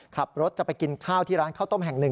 ขับรถจะไปกินข้าวที่ร้านข้าวต้มแห่งหนึ่ง